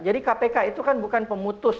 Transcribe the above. jadi kpk itu kan bukan pemutus